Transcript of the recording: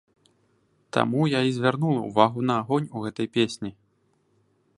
Таму я і звярнула ўвагу на агонь у гэтай песні.